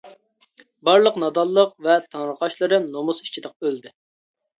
بارلىق نادانلىق ۋە تېڭىرقاشلىرىم نومۇس ئىچىدە ئۆلدى.